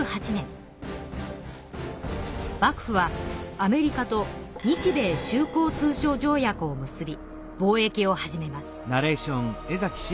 幕府はアメリカと日米修好通商条約を結び貿易を始めます。